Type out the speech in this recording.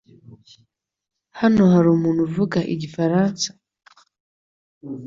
Hano hari umuntu uvuga igifaransa?